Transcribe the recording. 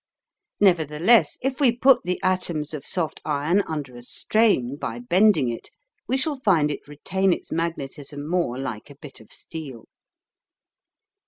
Nevertheless, if we put the atoms of soft iron under a strain by bending it, we shall find it retain its magnetism more like a bit of steel.